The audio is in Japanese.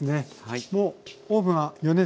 もうオーブンは予熱。